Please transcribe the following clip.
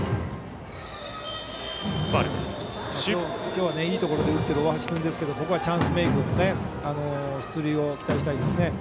今日はいいところで打っている大橋君ですけどここはチャンスメーク出塁を期待したいですね。